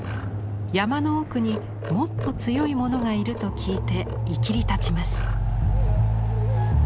山の奥にもっと強い者がいると聞いていきりたちます。